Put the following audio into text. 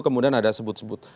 kemudian ada sebut sebut